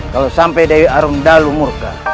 kalau sampai dewi arung dalu murka